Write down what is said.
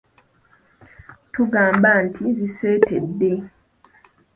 Tugamba nti ziseetedde.